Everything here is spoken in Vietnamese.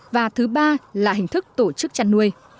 và thứ ba là hình thức tổ chức chăn nuôi